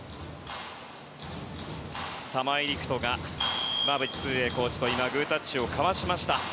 玉井陸斗が馬淵崇英コーチとグータッチを交わしました。